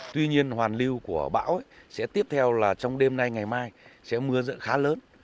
tuy nhiên hoàn lưu của bão sẽ tiếp theo là trong đêm nay ngày mai sẽ mưa dẫn khá lớn